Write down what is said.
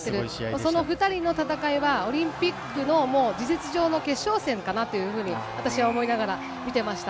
その２人の戦いはオリンピックの事実上の決勝戦かなというふうに私は思いながら見ていました。